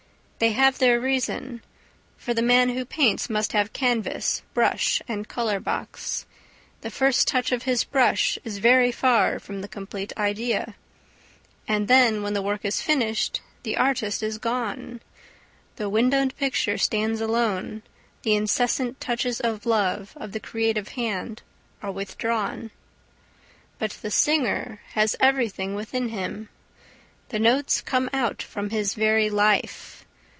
They have their reason. For the man who paints must have canvas, brush and colour box. The first touch of his brush is very far from the complete idea. And then when the work is finished the artist is gone, the windowed picture stands alone, the incessant touches of love of the creative hand are withdrawn. But the singer has everything within him. The notes come out from his very life.